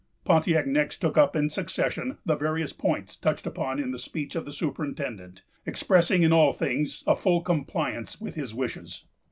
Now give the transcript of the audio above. Pontiac next took up in succession the various points touched upon in the speech of the superintendent, expressing in all things a full compliance with his wishes.